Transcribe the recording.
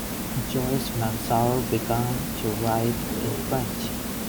Joyce Mansour began to write in French.